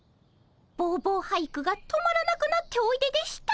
ぼうぼう俳句が止まらなくなっておいででした。